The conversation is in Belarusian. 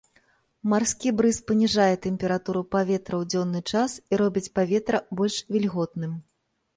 Марскі брыз паніжае тэмпературу паветра ў дзённы час і робіць паветра больш вільготным.